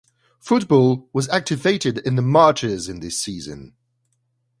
Football was activated in the Marches in this season.